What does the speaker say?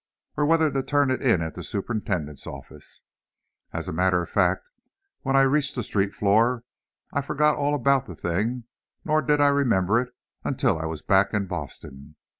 or whether to turn it in at the superintendent's office. As a matter of fact, when I reached the street floor I forgot all about the thing, nor did I remember it until I was back in Boston.